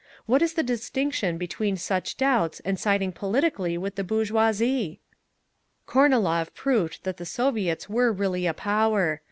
What is the distinction between such doubts and siding politically with the bourgeoisie? "Kornilov proved that the Soviets were really a power.